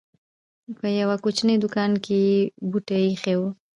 په يوه کوچنۍ دوکان کې یې بوټي اېښي وو.